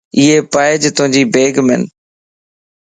ايي پيج توجي بيگمن